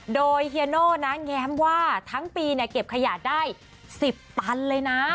โดยเฮียโน่นะแง้มว่าทั้งปีเก็บขยะได้๑๐ตันเลยนะ